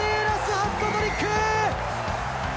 ハットトリック！